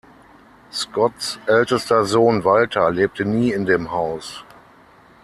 Scotts ältester Sohn Walter lebte nie in dem Haus.